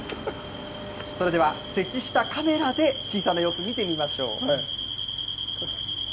それでは設置したカメラで審査の様子見てみましょう。